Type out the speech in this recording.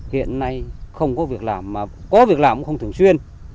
hiện nay không có việc làm mà có việc làm cũng không thường xuyên